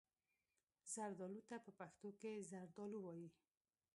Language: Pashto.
زردالو ته په پښتو کې زردالو وايي.